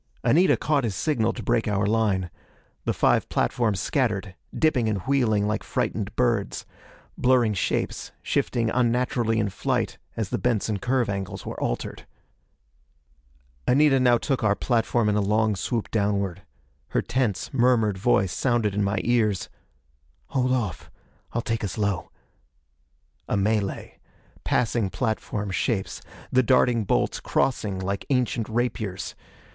Anita caught his signal to break our line. The five platforms scattered, dipping and wheeling like frightened birds blurring shapes, shifting unnaturally in flight as the Benson curve angles were altered. Anita now took our platform in a long swoop downward. Her tense, murmured voice sounded in my ears: "Hold off: I'll take us low." A melee. Passing platform shapes. The darting bolts, crossing like ancient rapiers.